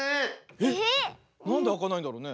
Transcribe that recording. えっなんであかないんだろうね？